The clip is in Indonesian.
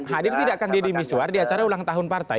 hadir tidak kang deddy miswar di acara ulang tahun partai